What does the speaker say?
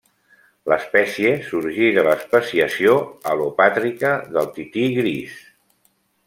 L'espècie sorgí de l'especiació al·lopàtrica del tití gris.